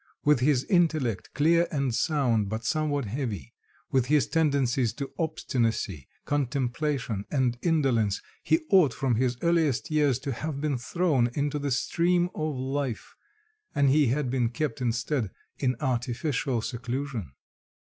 With his intellect, clear and sound, but somewhat heavy, with his tendencies to obstinacy, contemplation, and indolence he ought from his earliest years to have been thrown into the stream of life, and he had been kept instead in artificial seclusion.